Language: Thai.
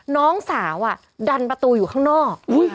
น้องสาวดันประตูอยู่ข้างนอก